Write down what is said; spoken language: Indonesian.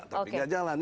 tapi nggak jalan